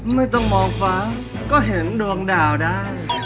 ไม่ต้องมองฟ้าก็เห็นดวงดาวได้